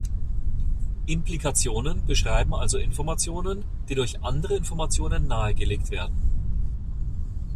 Implikationen beschreiben also Informationen, die durch andere Informationen nahegelegt werden.